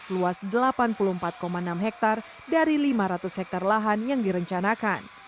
seluas delapan puluh empat enam hektare dari lima ratus hektare lahan yang direncanakan